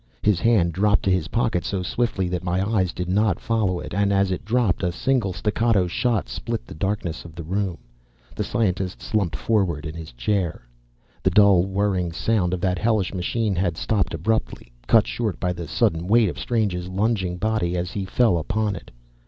His hand dropped to his pocket, so swiftly that my eyes did not follow it. And as it dropped, a single staccato shot split the darkness of the room. The scientist slumped forward in his chair. The dull, whirring sound of that hellish machine had stopped abruptly, cut short by the sudden weight of Strange's lunging body as he fell upon it.